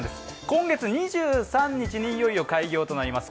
今月２３日にいよいよ開業となります。